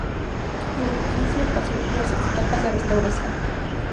El edificio pasó diversas etapas de restauración.